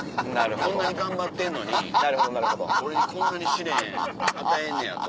こんなに頑張ってんのに俺にこんなに試練与えんねやと。